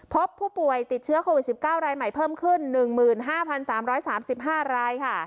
พบผู้ป่วยติดเชื้อโควิดสิบเก้ารายใหม่เพิ่มขึ้นหนึ่งหมื่นห้าพันสามร้อยสามสิบห้ารายค่ะ